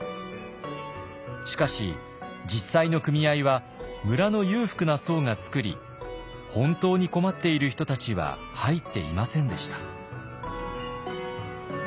しかし実際の組合は村の裕福な層が作り本当に困っている人たちは入っていませんでした。